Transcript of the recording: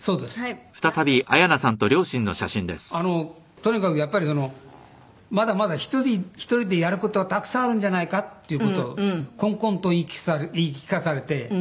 とにかくやっぱりそのまだまだ１人でやる事はたくさんあるんじゃないかっていう事を懇々と言い聞かされて。